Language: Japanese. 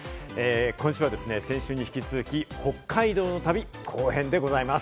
今週は先週に引き続き、北海道の旅後編でございます。